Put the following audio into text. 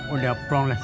udah pro les